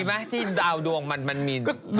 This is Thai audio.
มีไหมที่ดาวดวงมันมีเหล็ก